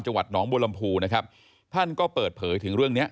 จังหวัดหนองบวลัมภูนะครับท่านก็เปิดเผยถึงเรื่องนี้